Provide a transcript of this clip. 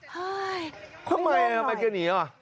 เพราะมั้ยทำไมแกหนีล่ะ